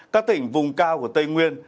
các tỉnh vùng cao của tây nguyên